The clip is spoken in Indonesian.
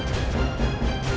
saya sudah berhenti